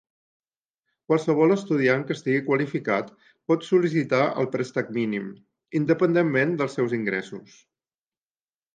Qualsevol estudiant que estigui qualificat, pot sol·licitar el préstec mínim independentment dels seus ingressos.